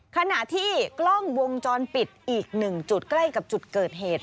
ขณะที่กล้องวงจรปิดอีก๑จุดใกล้กับจุดเกิดเหตุ